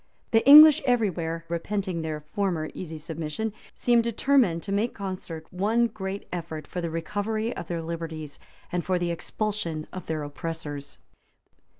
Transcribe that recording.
[*] The English, everywhere repenting their former easy submission, seemed determined to make by concert one great effort for the recovery of their liberties, and for the expulsion of their oppressors.